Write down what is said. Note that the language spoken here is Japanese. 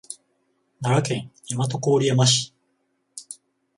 奈良県大和郡山市